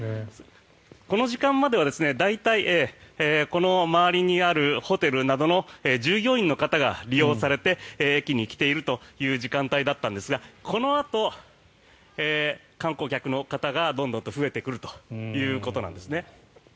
この時間までは大体この周りにあるホテルなどの従業員の方が利用されて駅に来ているという時間帯だったんですがこのあと、観光客の方がどんどん増えてくるということなんですね。